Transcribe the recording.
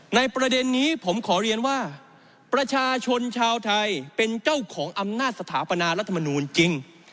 ประเด็นนี้ผมขอเรียนว่าประชาชนชาวไทยเป็นเจ้าของอำนาจสถาปนารัฐมนูลจริง